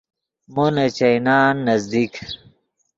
مو نے چائینان نزدیک